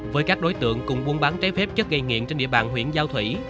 với các đối tượng cùng buôn bán trái phép chất gây nghiện trên địa bàn huyện giao thủy